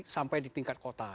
sampai di tingkat kota